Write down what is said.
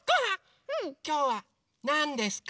きょうはなんですか？